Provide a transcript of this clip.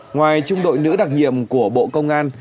ngoài trung đội nữ đặc nhiệm của bộ công an